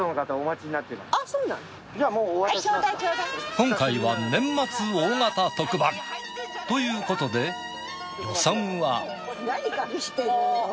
今回は年末大型特番ということで予算は。